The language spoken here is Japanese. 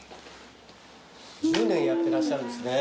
１０年やってらっしゃるんですね。